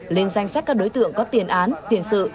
lên danh sách các đối tượng có tiền án tiền sự